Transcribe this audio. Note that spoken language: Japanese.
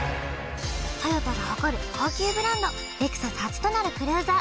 トヨタが誇る高級ブランドレクサス初となるクルーザー